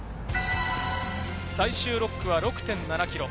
最終６区は６．７ｋｍ。